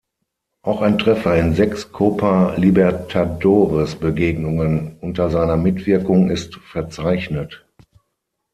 Auch ein Treffer in sechs Copa Libertadores-Begegnungen unter seiner Mitwirkung ist verzeichnet.